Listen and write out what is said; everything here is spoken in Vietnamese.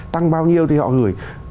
tăng bao nhiêu thì họ gửi